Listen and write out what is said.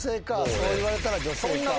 そう言われたら女性か。